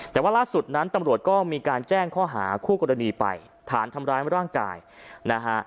แต่ว่าล่าสุดนั้นตำรวจก็มีการแจ้งข้อหาคู่กรณีไปฐานทำร้ายร่างกายนะฮะ